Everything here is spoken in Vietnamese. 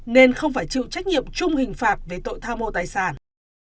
nên không phải chịu trách nhiệm chung hình phạt về tội tham mô tài sản